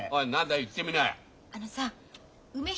言ってみなよ。